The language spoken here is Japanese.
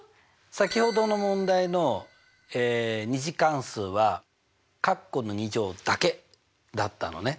先ほどの問題の２次関数はカッコの２乗だけだったのね。